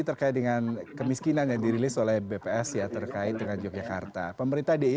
terkait dengan kemiskinan yang dirilis oleh bps ya terkait dengan yogyakarta pemerintah di